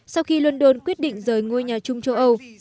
sau khi london quyết định rời ngôi nhà chung châu âu